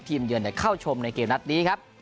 เยือนเข้าชมในเกมนัดนี้ครับ